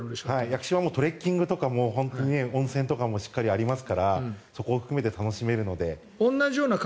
屋久島はトレッキングとか本当に温泉とかもしっかりありますからそこを含めて楽しめるので。